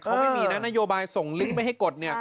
เขาไม่มีนะนโยบายส่งลิงก์ไม่ให้กดเนี่ย